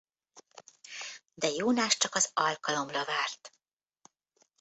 De Jónás csak az alkalomra várt.